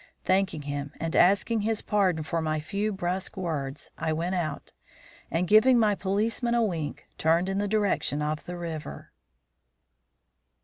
Thanking him, and asking his pardon for my few brusque words, I went out, and, giving my policeman a wink, turned in the direction of the river.